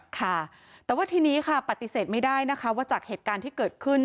ค่ะแต่ว่าทีนี้ค่ะปฏิเสธไม่ได้นะคะว่าจากเหตุการณ์ที่เกิดขึ้น